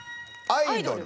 「アイドル」。